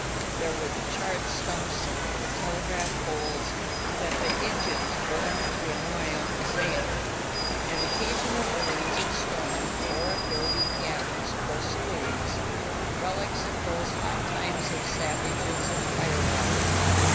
There were the charred stumps of the telegraph poles that the Injuns burned to annoy Uncle Sam, and occasional ruins of stone or adobe cabins or saloons, relics of those hot times of savages and fire water.